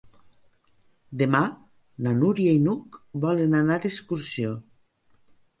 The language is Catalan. Demà na Núria i n'Hug volen anar d'excursió.